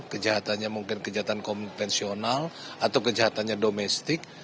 kejahatannya mungkin kejahatan konvensional atau kejahatannya domestik